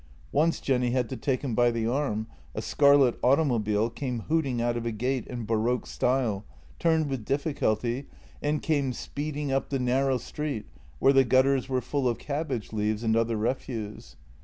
Once Jenny had to take him by the arm — a scarlet automobile came hooting out of a gate in baroque style, turned with difficulty, and came speeding up the narrow street, where the gutters were full of cabbage leaves and other refuse.